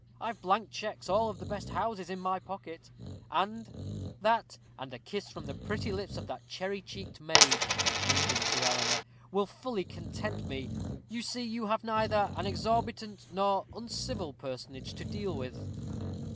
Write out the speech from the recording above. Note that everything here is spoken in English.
I've blank checks of all the best houses in my pocket; that and a kiss from the pretty lips of that cherry cheeked maid," winking to Eleanor, "will fully content me. You see you have neither an exorbitant nor uncivil personage to deal with."